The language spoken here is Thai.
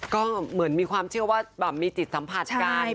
ก็เหมือนมีความเชื่อว่ามีจิตสัมผัสกัน